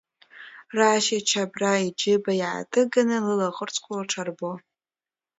Рашь ичабра иџьыба иааҭыганы лылаӷырӡқәа лҿарбо.